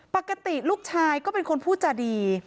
ปกติลูกชายก็เป็นคนพูดจาดี